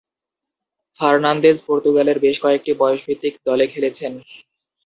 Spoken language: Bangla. ফার্নান্দেজ পর্তুগালের বেশ কয়েকটি বয়সভিত্তিক দলে খেলেছেন।